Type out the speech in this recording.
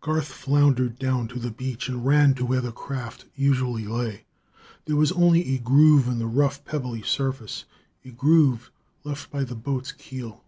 Garth floundered down to the beach and ran to where the craft usually lay. There was only a groove in the rough, pebbly surface, a groove left by the boat's keel.